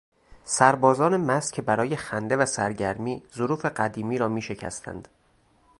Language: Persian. سربازان مست که برای خنده و سرگرمی ظروف قدیمی را میشکستند.